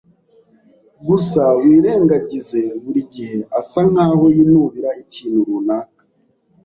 Gusa wirengagize Buri gihe asa nkaho yinubira ikintu runaka.